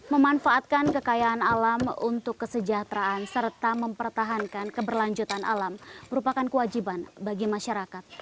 memanfaatkan kekayaan alam untuk kesejahteraan serta mempertahankan keberlanjutan alam merupakan kewajiban bagi masyarakat